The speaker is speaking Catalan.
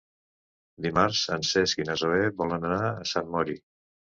Dimarts en Cesc i na Zoè volen anar a Sant Mori.